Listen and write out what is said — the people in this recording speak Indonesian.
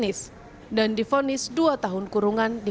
vegetasi para sukarele dan atau tugas student